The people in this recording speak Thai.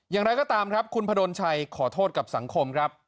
อย่างไรก็ตามครับคุณพดลชัยขอโทษกับสังคมครับ